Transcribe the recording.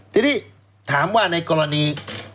ทีนี้ถามว่าในกรณี